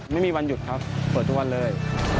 ไม่มีวันหยุดครับเปิดทุกวันเลย